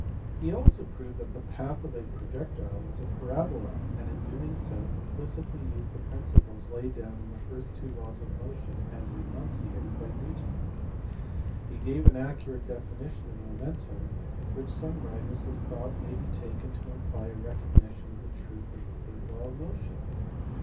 He also proved that the path of a projectile was a parabola, and in doing so implicitly used the principles laid down in the first two laws of motion as enunciated by Newton. He gave an accurate definition of momentum which some writers have thought may be taken to imply a recognition of the truth of the third law of motion.